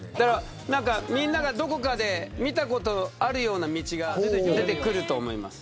みんながどこかで見たことあるような道が出てくると思います。